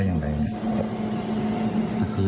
กลางคืนนี้กลางมารอรับแขก